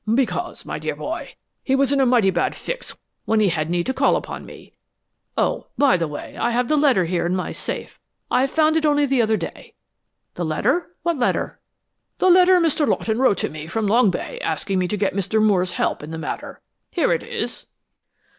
"Because, my dear boy, he was in a mighty bad fix when he had need to call upon me. Oh, by the way, I have the letter here in my safe I found it only the other day." "The letter? What letter?" "The letter Mr. Lawton wrote me from Long Bay asking me to get Mr. Moore's help in the matter here it is."